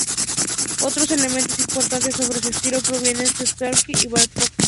Otros elementos importantes sobre su estilo provienen de Stravinski y Bartók.